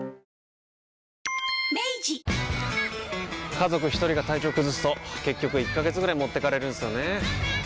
家族一人が体調崩すと結局１ヶ月ぐらい持ってかれるんすよねー。